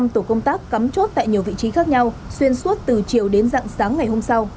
một mươi năm tổ công tác cắm chốt tại nhiều vị trí khác nhau xuyên suốt từ chiều đến dặn sáng ngày hôm sau